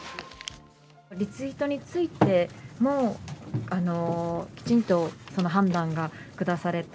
リツイートについてもきちんとその判断が下された。